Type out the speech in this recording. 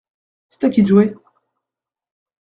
C’est à qui de jouer ?